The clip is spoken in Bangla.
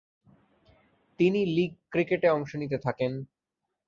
তিনি লীগ ক্রিকেটে অংশ নিতে থাকেন।